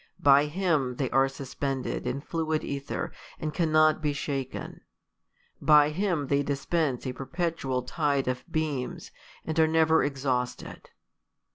By Him they are suspend ed in fluid ether, and cannot be sha]<en : by Him they dispense a perpetual tide of beams, and are never ex hausted.